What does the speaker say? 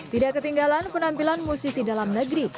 tidak ketinggalan penampilan musisi dalam negeri